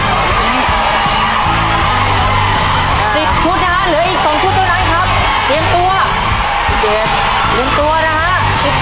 ป้าแมวเสร็จแล้วเร็วตี